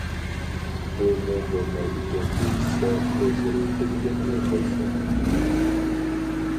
بۇمۇ بولمايدىكەن دېيىشسە، ئۆزلىرى بىلگەننى قويسۇن!